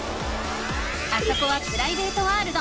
あそこはプライベートワールド。